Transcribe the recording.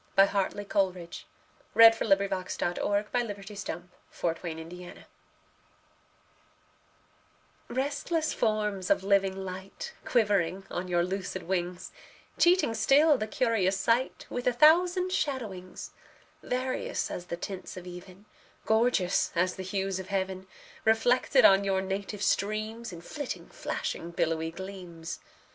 G H . I J . K L . M N . O P . Q R . S T . U V . W X . Y Z Address to Certain Golfishes RESTLESS forms of living light Quivering on your lucid wings, Cheating still the curious sight With a thousand shadowings; Various as the tints of even, Gorgeous as the hues of heaven, Reflected on you native streams In flitting, flashing, billowy gleams!